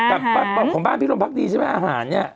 แต่ของบ้านพี่ลมพักดีใช่ไหมอาหารเนี่ย